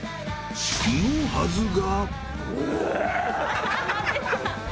［のはずが］